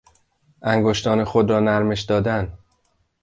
انگشتان خود را نرمش دادن